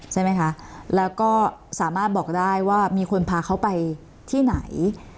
ใช่ไหมคะแล้วก็สามารถบอกได้ว่ามีคนพาเขาไปที่ไหน